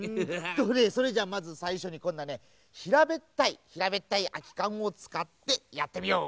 どれそれじゃあまずさいしょにこんなねひらべったいひらべったいあきかんをつかってやってみよう！